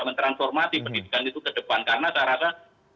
mentransformasi pendidikan itu ke depan karena saya rasa